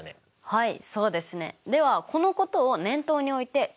はい。